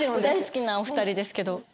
大好きなお２人ですけど。